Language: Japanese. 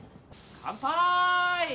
乾杯！